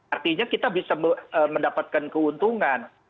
artinya kita bisa mendapatkan keuntungan